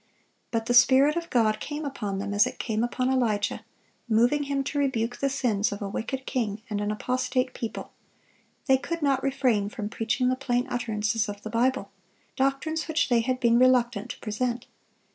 But the Spirit of God came upon them as it came upon Elijah, moving him to rebuke the sins of a wicked king and an apostate people; they could not refrain from preaching the plain utterances of the Bible,—doctrines which they had been reluctant to present.